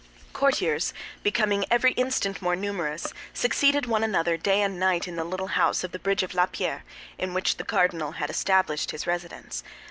Courtiers, becoming every instant more numerous, succeeded one another, day and night, in the little house of the bridge of La Pierre, in which the cardinal had established his residence.